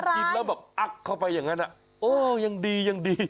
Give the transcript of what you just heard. กำลังกินแล้วอักเข้าไปอย่างนั้นโอ้ยังดี